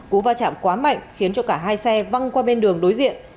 cú va chạm quá mạnh khiến cho cả hai xe văng qua bên đường đối diện